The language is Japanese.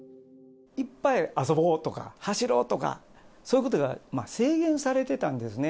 いっぱい遊ぼうとか走ろうとか、そういうことが制限されてたんですね。